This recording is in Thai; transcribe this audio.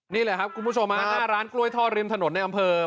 นี่แหละครับคุณผู้ชมฮะหน้าร้านกล้วยทอดริมถนนในอำเภอ